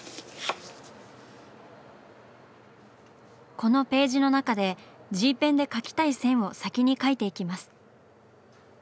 このページの中でＧペンで描きたい線を先に描いていきます。